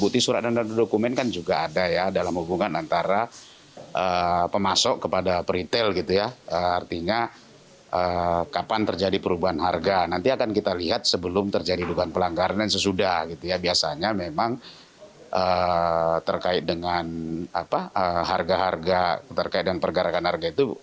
terkait dengan harga harga terkait dengan pergerakan harga itu